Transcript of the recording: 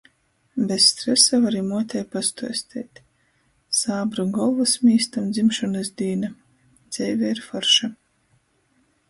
Bez stresa vari muotei pastuosteit... Sābru golvysmīstam dzimšonys dīna! Dzeive ir forša!...